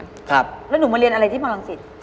แล้วหนูมาเรียนอะไรที่มรังสิต